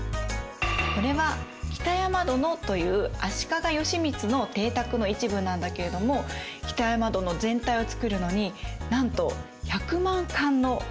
これは北山殿という足利義満の邸宅の一部なんだけれども北山殿全体を造るのになんと１００万貫のお金が使われています。